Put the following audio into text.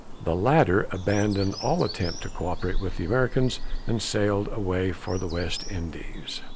The latter abandoned all attempt to coöperate with the Americans and sailed away for the West Indies.